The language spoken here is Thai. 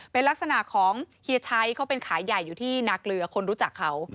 เป็นลักษณะของเฮียชัยเขาเป็นขายใหญ่อยู่ที่นาเกลือคนรู้จักเขา